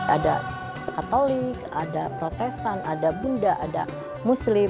ada katolik ada protestan ada bunda ada muslim